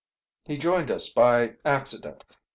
"He joined us by accident.